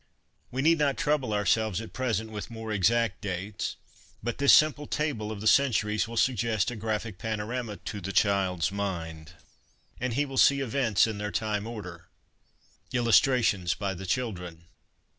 We need not trouble ourselves at present with more exact dates, but this simple table of the centuries will suggest a graphic panorama to the child's mind, and he will see events in their time order. Illustrations by the Children.